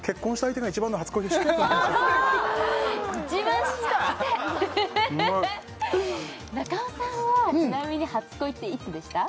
うまい中尾さんはちなみに初恋っていつでした？